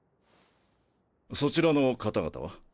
そちらの方々は？